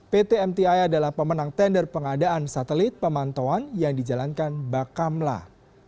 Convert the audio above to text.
pt mti adalah pemenang tender pengadaan satelit pemantauan yang dijalankan bakamla